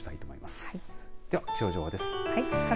では気象情報です。